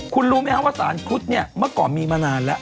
คุณรู้ไหมครับว่าสารครุฑเนี่ยเมื่อก่อนมีมานานแล้ว